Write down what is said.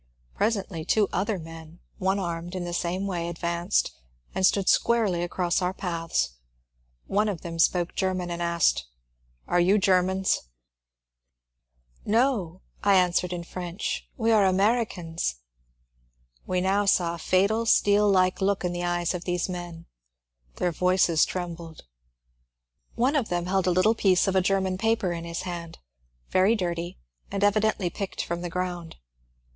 Presently two other men, one armed in the same way, ad vanced and stood squarely across our path. One of them spoke German and asked, ^' Are you Germans ?" 234 MONCURE DANIEL CONWAY ^* No/' I answered in French, *^ we are Americans." We now saw a fatal steel like look in the eyes of these men ; their voices trembled. One of them held a little piece of a German paper in his hand, very dirty, and evidently picked from the ground.